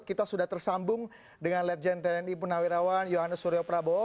kita sudah tersambung dengan lieutenant tni ibu nawirawan yohannes suryo prabowo